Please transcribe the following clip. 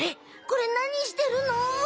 これなにしてるの？